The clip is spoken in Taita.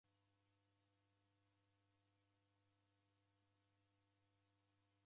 Chai chasia birikenyi.